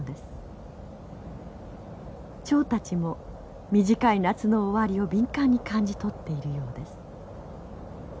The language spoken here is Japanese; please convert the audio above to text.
チョウたちも短い夏の終わりを敏感に感じ取っているようです。